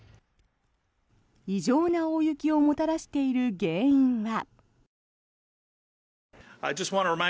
異常な大雪をもたらしている原因が。